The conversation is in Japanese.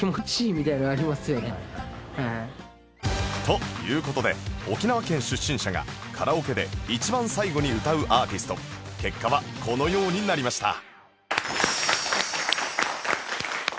という事で沖縄県出身者がカラオケで一番最後に歌うアーティスト結果はこのようになりました